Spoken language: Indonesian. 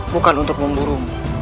bukan untuk memburu